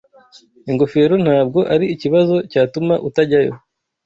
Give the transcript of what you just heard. ingofero ntabwo ari ikibazo CYATUMA utajyayo